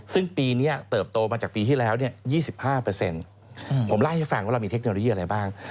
ซึ่งปีนี้เติบโตมาจากปีที่แล้ว๒๕ผมเล่าให้ฟังว่าเรามีเทคโนโลยีอะไรบ้าง